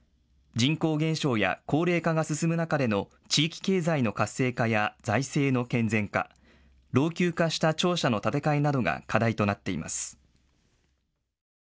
人口減少や高齢化が進む中での地域経済の活性化や財政の健全化、老朽化した庁舎の建て替えなどが課題となっています。